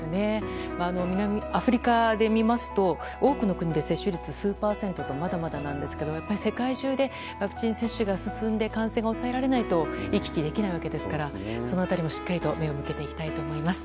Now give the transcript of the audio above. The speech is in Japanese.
南アフリカで見ますと多くの国で接種率数パーセントとまだまだなんですが世界中でワクチン接種が進んで感染が抑えられないと行き来できないわけですからその辺りもしっかりと目を向けていきます。